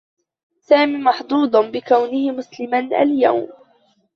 سامي محظوظ بكونه مسلما اليوم.